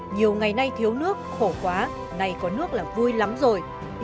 nhiều ngày nay thiếu nước khổ quá nay có nước là vui lắm rồi yên tâm rồi